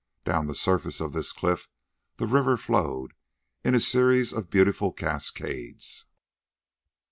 Down the surface of this cliff the river flowed in a series of beautiful cascades.